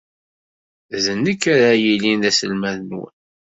D nekk ara yilin d aselmad-nwen.